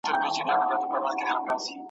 اوس به څوک د مظلومانو چیغي واوري `